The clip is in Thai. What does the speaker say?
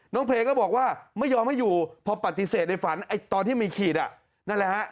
เพลงก็บอกว่าไม่ยอมให้อยู่พอปฏิเสธในฝันตอนที่มีขีดอ่ะนั่นแหละฮะ